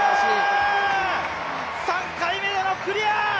３回目でのクリア！